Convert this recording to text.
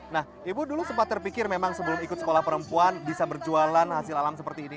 nah ibu dulu sempat terpikir memang sebelum ikut sekolah perempuan bisa berjualan hasil alam seperti ini